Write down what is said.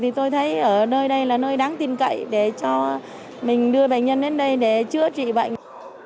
thì tôi thấy ở nơi đây là nơi đáng tin cậy để cho mình đưa bệnh nhân đến đây để chữa trị bệnh